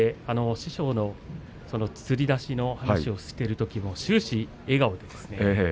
師匠のつり出しの話をしているときも終始、笑顔でした。